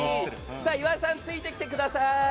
岩井さん、ついてきてください。